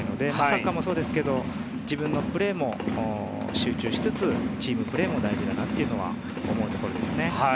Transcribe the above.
サッカーもそうですが自分のプレーに集中しつつチームプレーも大事だなとは思うところですね。